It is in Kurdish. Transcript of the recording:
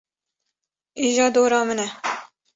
Îja dor a min e.